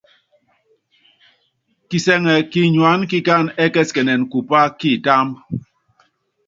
Kisɛŋɛ kinyuáná kikánɛ ɛ́kɛsikɛnɛnɛ kupá kitáámbú.